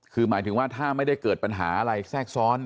คือหมายถึงว่าถ้าไม่ได้เกิดปัญหาอะไรแทรกซ้อน